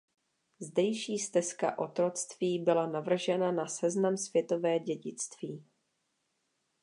Zdejší Stezka otroctví byla navržena na seznam Světové dědictví.